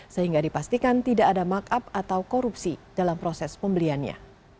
sehingga dipastikan tidak ada markup atau korupsi dalam proses pembeliannya